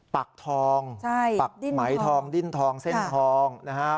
ปักทองปักไหมทองดิ้นทองเส้นทองนะฮะ